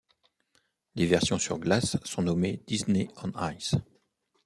Les versions sur glace sont nommées Disney on Ice.